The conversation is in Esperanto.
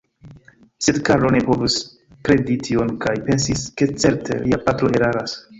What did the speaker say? Sed Karlo ne povis kredi tion kaj pensis, ke certe lia patro eraras.